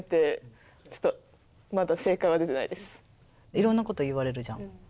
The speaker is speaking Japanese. いろんなこと言われるじゃん。